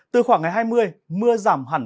từ khoảng ngày hai mươi mưa giảm hẳn